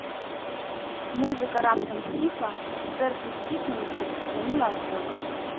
Музыка раптам сціхла, сэрца сціснулася і заныла ад болю.